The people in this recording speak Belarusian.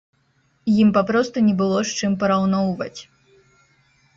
Ім папросту не было з чым параўноўваць!